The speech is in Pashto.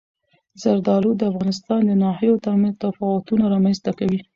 زردالو د افغانستان د ناحیو ترمنځ تفاوتونه رامنځته کوي.